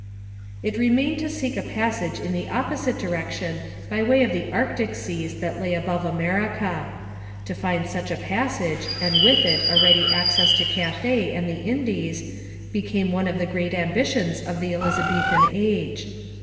It remained to seek a passage in the opposite direction by way of the Arctic seas that lay above America. To find such a passage and with it a ready access to Cathay and the Indies became one of the great ambitions of the Elizabethan age.